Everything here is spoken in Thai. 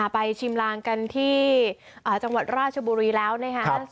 ชิมลางกันที่จังหวัดราชบุรีแล้วนะคะ